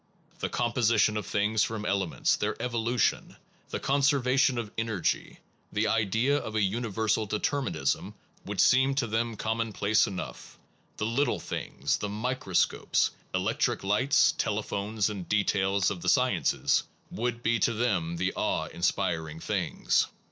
The composition of things from elements, their evolution, the conserva tion of energy, the idea of a universal deter minism, would seem to them commonplace enough the little things, the microscopes, electric lights, telephones, and details of the sciences, would be to them the awe inspiring things.